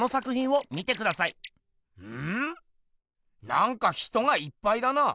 なんか人がいっぱいだな。